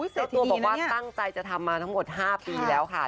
เจ้าตัวบอกว่าตั้งใจจะทำมาทั้งหมด๕ปีแล้วค่ะ